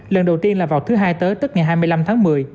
lần đầu tiên là vào thứ hai tới tức ngày hai mươi năm tháng một mươi